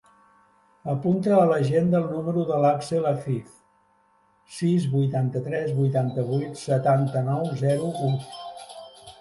Apunta a l'agenda el número de l'Àxel Aziz: sis, vuitanta-tres, vuitanta-vuit, setanta-nou, zero, u.